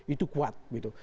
itu kuat gitu